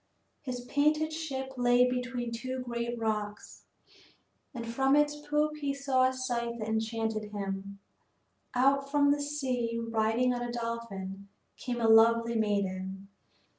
His painted ship lay between two great rocks, and from its poop he saw a sight that enchanted him. Out from the sea, riding on a dolphin, came a lovely maiden.